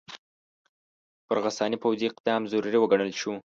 پر غساني پوځي اقدام ضروري وګڼل شو.